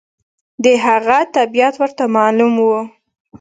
د هغه طبیعت ورته معلوم و.